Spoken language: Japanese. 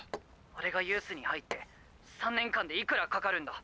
俺がユースに入って３年間でいくらかかるんだ？